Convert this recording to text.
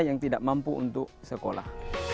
yang tidak mampu untuk sekolah